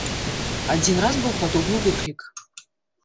Адзін раз быў падобны выклік.